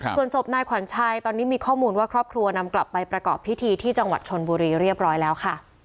ส่วนศพนายขวัญชัยตอนนี้มีข้อมูลว่าครอบครัวนำกลับไปประกอบพิธีที่จังหวัดชนบุรีเรียบร้อยแล้วค่ะ